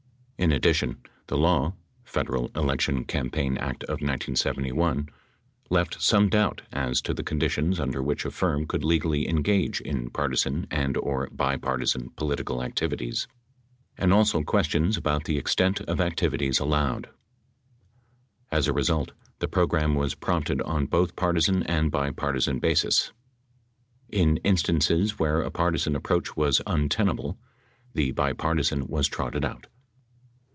In addition, the law (Federal Election Campaign Act of 1971) left some doubt as to the conditions under which a firm could legally engage in partisan and/or bipartisan political activities and also questions about the extent of activities allowed. As a result the program was prompted on both par tisan and bipartisan basis. In instances where a partisan approach was untenable, the bipartisan was trotted out.